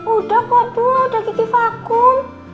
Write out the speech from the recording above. udah kok aduh udah kiki vakum